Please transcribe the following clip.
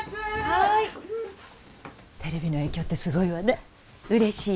はいテレビの影響ってすごいわね嬉しい